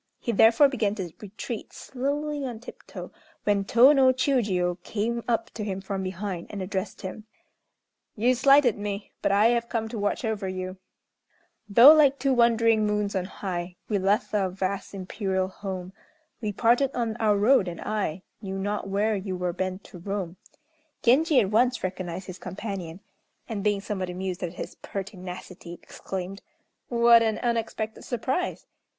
He therefore began to retreat slowly on tip toe, when Tô no Chiûjiô came up to him from behind, and addressed him: "You slighted me, but I have come to watch over you: Though like two wandering moons on high We left our vast imperial home, We parted on our road, and I Knew not where you were bent to roam." Genji at once recognized his companion; and, being somewhat amused at his pertinacity, exclaimed: "What an unexpected surprise!